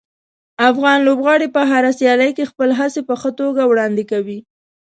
افغان لوبغاړي په هره سیالي کې خپلې هڅې په ښه توګه وړاندې کوي.